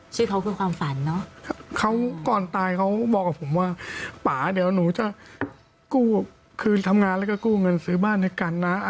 ชื่อเขาคือความฝันเนอะเขาก่อนตายเขาบอกกับผมว่าป่าเดี๋ยวหนูจะกู้คืนทำงานแล้วก็กู้เงินซื้อบ้านให้กันนะ